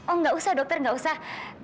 oh nggak usah dokter gak usah